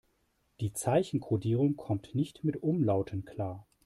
Die Zeichenkodierung kommt nicht mit Umlauten klar.